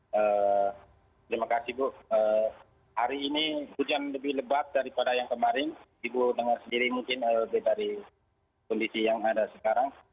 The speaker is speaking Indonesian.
terima kasih bu hari ini hujan lebih lebat daripada yang kemarin ibu dengar sendiri mungkin lebih dari kondisi yang ada sekarang